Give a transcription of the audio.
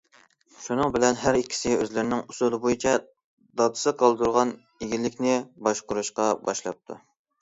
شۇنىڭ بىلەن ھەر ئىككىسى ئۆزلىرىنىڭ ئۇسۇلى بويىچە دادىسى قالدۇرغان ئىگىلىكنى باشقۇرۇشقا باشلاپتۇ.